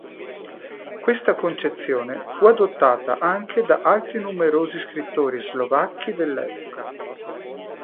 Questa concezione fu adottata anche da altri numerosi scrittori slovacchi dell'epoca.